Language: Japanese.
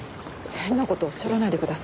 変な事おっしゃらないでください。